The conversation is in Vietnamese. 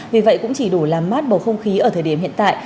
vì vậy cũng chỉ đủ làm mát bầu không khí ở thời điểm hiện tại